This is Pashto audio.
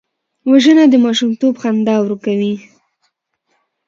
وژنه د ماشومتوب خندا ورکوي